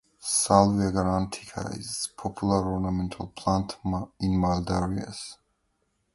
"Salvia guaranitica" is a popular ornamental plant in mild areas.